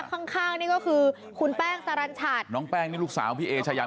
ข้างข้างนี่ก็คือคุณแป้งสรรชัดน้องแป้งนี่ลูกสาวพี่เอชายา